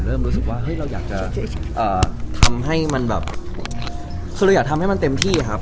เริ่มรู้สึกว่าเราอยากจะทำให้มันเต็มที่ครับ